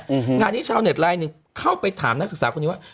งานนี้ชาวเน็ตไลน์หนึ่งเข้าไปถามนักศึกษาคนนี้ว่า